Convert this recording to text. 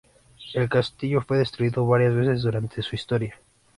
El castillo fue destruido varias veces durante su historia.